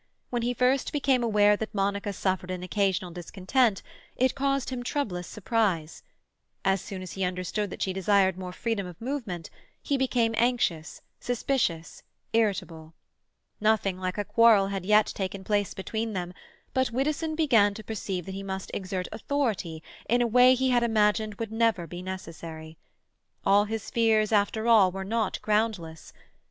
When he first became aware that Monica suffered an occasional discontent, it caused him troublous surprise. As soon as he understood that she desired more freedom of movement, he became anxious, suspicious, irritable. Nothing like a quarrel had yet taken place between them, but Widdowson began to perceive that he must exert authority in a way he had imagined would never be necessary. All his fears, after all, were not groundless.